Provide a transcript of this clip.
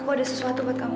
aku ada sesuatu buat kamu